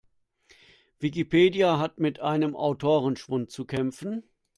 Wikipedia hat mit einem Autorenschwund zu kämpfen.